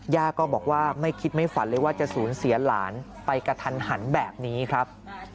ย่าก็บอกว่าไม่คิดไม่ฝันเลยว่าจะสูญเสียหลานไปกระทันหันแบบนี้ครับ